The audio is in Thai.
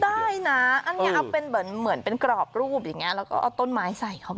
ได้นะอันนี้เอาเป็นเหมือนเป็นกรอบรูปอย่างนี้แล้วก็เอาต้นไม้ใส่เข้าไป